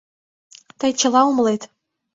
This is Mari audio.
— Тый чыла умылет!